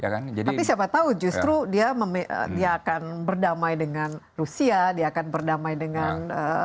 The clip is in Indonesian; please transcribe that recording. tapi siapa tahu justru dia akan berdamai dengan rusia dia akan berdamai dengan